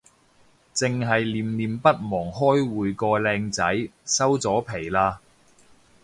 剩係念念不忘開會個靚仔，收咗皮喇